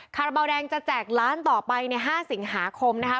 คาราบาลแดงจะแจกล้านต่อไปใน๕สิงหาคมนะคะ